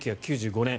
１９９５年。